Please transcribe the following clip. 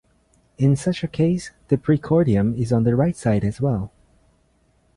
In such a case, the precordium is on the right side as well.